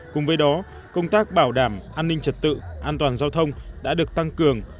cùng với đó công tác bảo đảm an ninh trật tự an toàn giao thông đã được tăng cường